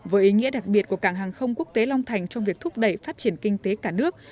với ý nghĩa đặc biệt của cảng hàng không quốc tế long thành trong việc thúc đẩy phát triển kinh tế cả nước